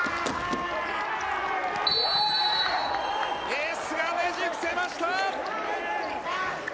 エースがねじ伏せました。